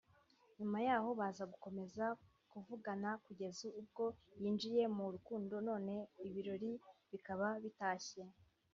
nyuma yaho baza gukomeza kuvugana kugeza ubwo binjiye mu rukundo none ibirori bikaba bitashye